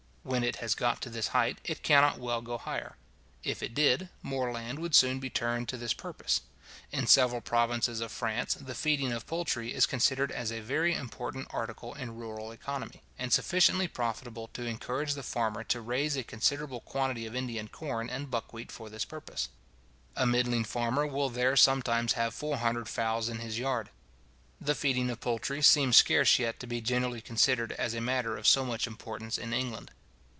When it has got to this height, it cannot well go higher. If it did, more land would soon be turned to this purpose. In several provinces of France, the feeding of poultry is considered as a very important article in rural economy, and sufficiently profitable to encourage the farmer to raise a considerable quantity of Indian corn and buckwheat for this purpose. A middling farmer will there sometimes have four hundred fowls in his yard. The feeding of poultry seems scarce yet to be generally considered as a matter of so much importance in England.